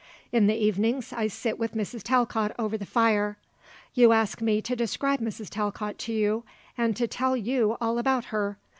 In the evenings I sit with Mrs. Talcott over the fire. You ask me to describe Mrs. Talcott to you, and to tell you all about her.